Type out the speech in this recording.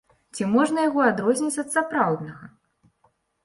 Ці можна яго адрозніць ад сапраўднага?